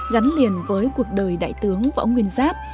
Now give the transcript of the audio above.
gắn liền với cuộc đời đại tướng võ nguyên giáp